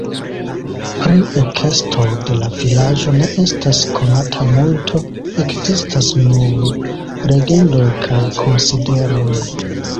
Pri ekesto de la vilaĝo ne estas konata multo, ekzistas nur legendoj kaj konsideroj.